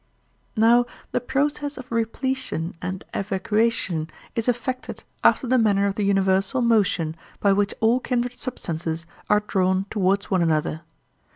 Now the process of repletion and evacuation is effected after the manner of the universal motion by which all kindred substances are drawn towards one another.